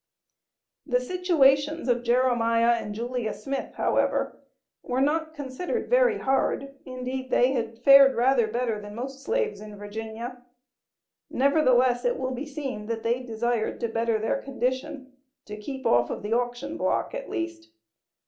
The situations of Jeremiah and Julia Smith, however, were not considered very hard, indeed they had fared rather better than most slaves in Virginia, nevertheless it will be seen that they desired to better their condition, to keep off of the auction block at least.